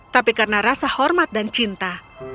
tapi karena rasa hormat dan cinta